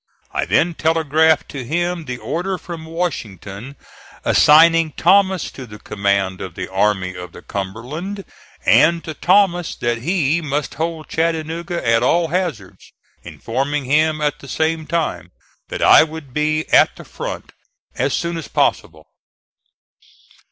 I then telegraphed to him the order from Washington assigning Thomas to the command of the Army of the Cumberland; and to Thomas that he must hold Chattanooga at all hazards, informing him at the same time that I would be at the front as soon as possible.